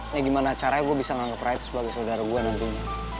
ya gimana caranya gue bisa nganggep ray itu sebagai saudara gue nantinya